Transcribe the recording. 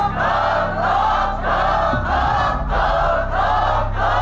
ขอบคุณครับ